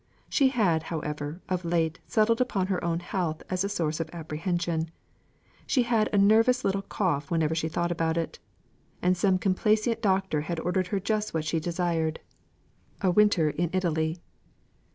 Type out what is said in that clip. She had, however, of late settled upon her own health as a source of apprehension; she had a nervous little cough whenever she thought about it; and some complaisant doctor ordered her just what she desired a winter in Italy.